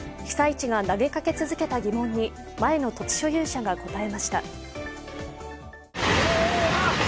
被災地が投げかけ続けた疑問に前の土地所有者が答えました。